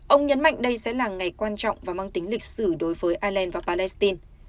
ông nhấn mạnh đây sẽ là ngày quan trọng và mang tính lịch sử đối với ireland và palestine